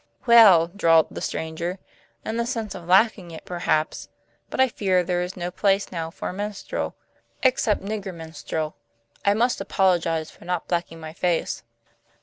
"Well," drawled the stranger, "in the sense of lacking it, perhaps, but I fear there is no place now for a minstrel, except nigger minstrel. I must apologize for not blacking my face."